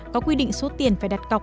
có quy định số tiền phải đặt cọc